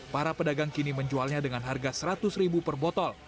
para pedagang kini menjualnya dengan harga seratus ribu per botol